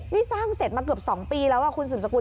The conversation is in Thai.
นี่สร้างเสร็จมาเกือบ๒ปีแล้วคุณสืบสกุ